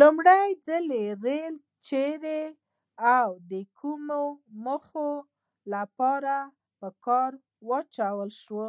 لومړي ځل ریل چیري او د کومې موخې لپاره په کار واچول شو؟